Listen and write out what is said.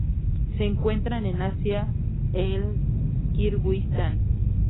Se encuentran en Asia: el Kirguistán.